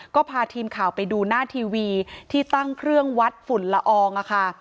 ก็พาทีมข่าวไปดูหน้าทีวีที่ตั้งเครื่องวัดฝุ่นละอองค่ะ